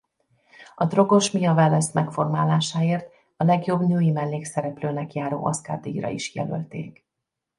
A drogos Mia Wallace megformálásáért a legjobb női mellékszereplőnek járó Oscar-díj-ra is jelölték.